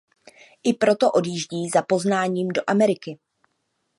I proto odjíždí za poznáním do Ameriky.